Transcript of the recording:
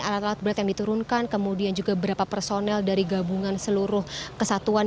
alat alat berat yang diturunkan kemudian juga berapa personel dari gabungan seluruh kesatuan